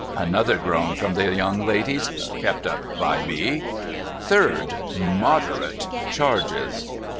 Another groan from the young ladies, kep' up by me. ' Third : moderate charges.'